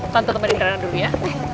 tonton tempatin rena dulu ya